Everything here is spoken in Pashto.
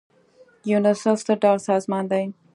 یونیسف څه ډول سازمان دی؟